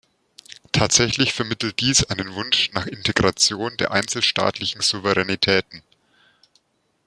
Tatsächlich vermittelt dies einen Wunsch nach Integration der einzelstaatlichen Souveränitäten.